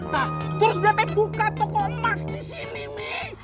taa terus dia teh buka toko emas di sini mie